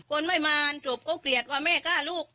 คนไม่มาจบก็เกลียดว่าแม่ฆ่าลูก